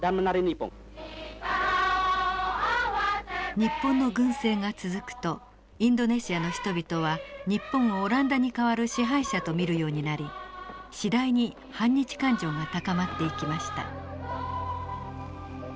日本の軍政が続くとインドネシアの人々は日本をオランダに代わる支配者と見るようになり次第に反日感情が高まっていきました。